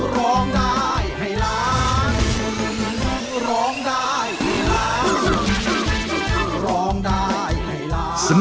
ร้องได้ให้ล้าง